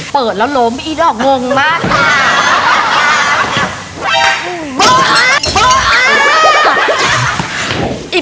เปิดแล้วล้มพี่ดอกงงมาก